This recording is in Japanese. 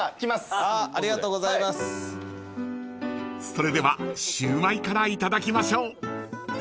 ［それではしゅうまいからいただきましょう］